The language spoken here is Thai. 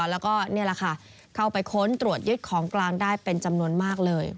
แล้วก็นี่แหละค่ะเข้าไปค้นตรวจยึดของกลางได้เป็นจำนวนมากเลย